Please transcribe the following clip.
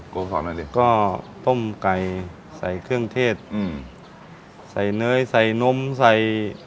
โกสอนอะไรดิก็ต้มไก่ใส่เครื่องเทศอืมใส่เนื้อใส่นมใส่